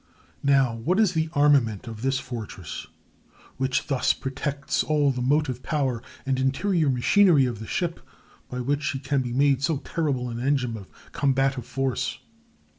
Now, what is the armament of this fortress which thus protects all the motive power and interior machinery of the ship, by which she can be made so terrible an engine of combative force?